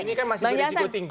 ini kan masih berisiko tinggi